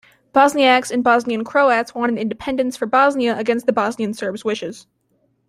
Bosniaks and Bosnian Croats wanted independence for Bosnia against the Bosnian Serbs' wishes.